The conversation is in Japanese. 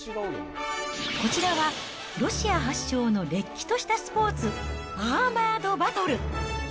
こちらはロシア発祥のれっきとしたスポーツ、アーマードバトル。